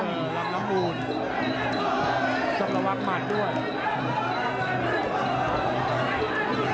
ลำละมูลสำระวังหมาดด้วย